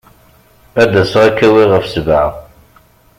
Ad d-aseɣ ad k-awiɣ ɣef sebɛa.